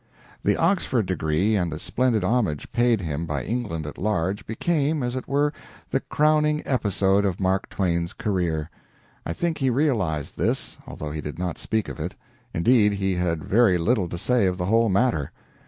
The Oxford degree, and the splendid homage paid him by England at large, became, as it were, the crowning episode of Mark Twain's career. I think he realized this, although he did not speak of it indeed, he had very little to say of the whole matter.